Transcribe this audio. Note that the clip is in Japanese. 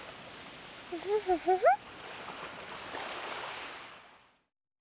フフフフフ。